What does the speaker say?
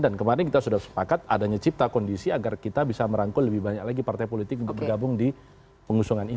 dan kemarin kita sudah sepakat adanya cipta kondisi agar kita bisa merangkul lebih banyak lagi partai politik untuk bergabung di pengusungan ini